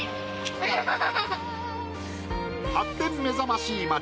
発展目覚ましい街